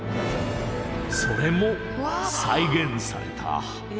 それも再現された。